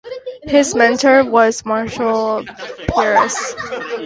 His mentor was Marshall Pearce.